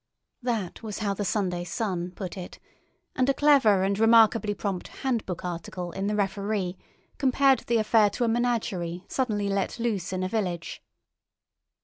That was how the Sunday Sun put it, and a clever and remarkably prompt "handbook" article in the Referee compared the affair to a menagerie suddenly let loose in a village.